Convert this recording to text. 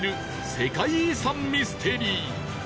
世界遺産ミステリー